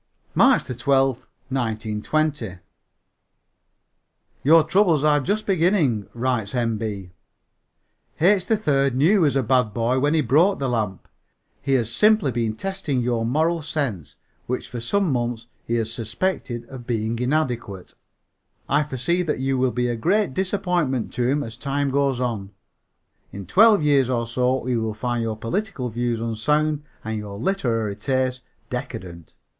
MARCH 12, 1920. "Your troubles are just beginning," writes M. B. "H. 3rd knew he was a bad boy when he broke that lamp. He has simply been testing your moral sense, which for some months he has suspected of being inadequate. I foresee that you will be a great disappointment to him as time goes on. In twelve years or so he will find your political views unsound and your literary tastes decadent.